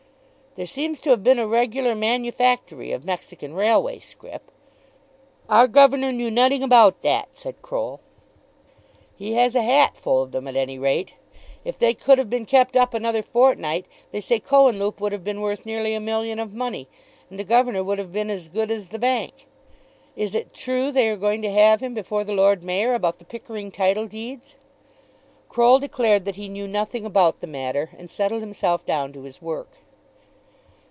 "There seems to have been a regular manufactory of Mexican Railway scrip." "Our governor knew noding about dat," said Croll. "He has a hat full of them at any rate. If they could have been kept up another fortnight they say Cohenlupe would have been worth nearly a million of money, and the governor would have been as good as the bank. Is it true they are going to have him before the Lord Mayor about the Pickering title deeds?" Croll declared that he knew nothing about the matter, and settled himself down to his work.